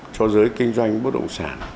cho giới kinh doanh bất động sản ở các nước